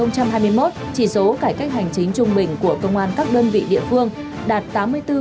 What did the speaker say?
năm hai nghìn hai mươi một chỉ số cải cách hành chính trung bình của công an các đơn vị địa phương đạt tám mươi bốn hai mươi bốn